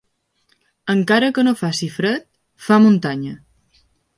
Encara que no faci fred, fa muntanya.